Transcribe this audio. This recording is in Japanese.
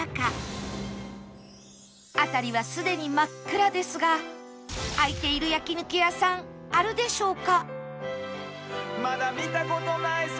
辺りはすでに真っ暗ですが開いている焼肉屋さんあるでしょうか？